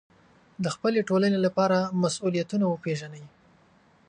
د خپلې ټولنې لپاره مسوولیتونه وپېژنئ.